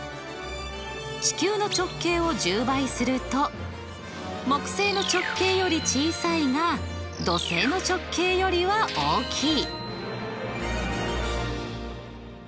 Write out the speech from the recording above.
地球の直径を１０倍すると木星の直径より小さいが土星の直径よりは大きい。